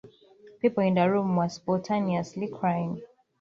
People in the room were spontaneously crying.